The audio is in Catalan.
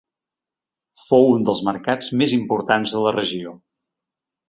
Fou un dels mercats més importants de la regió.